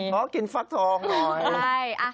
ขอกินฟักทองหน่อย